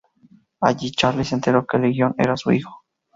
Allí Charles se enteró que Legión era su hijo.